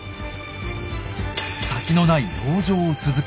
先のない籠城を続けるか。